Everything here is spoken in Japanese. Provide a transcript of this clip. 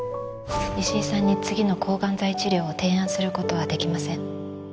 石井さんに次の抗がん剤治療を提案する事はできません。